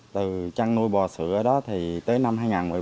từ trăng nuôi bò sữa đó thì tới năm hai nghìn một mươi bảy